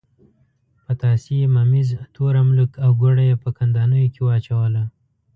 پتاسې، ممیز، تور املوک او ګوړه یې په کندانیو کې واچوله.